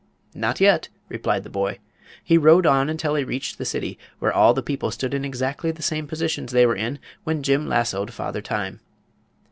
"Not yet," replied the boy. He rode on until he reached the city, where all the people stood in exactly the same positions they were in when Jim lassoed Father Time.